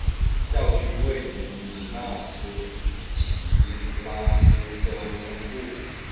教区位于米纳斯吉拉斯州中部。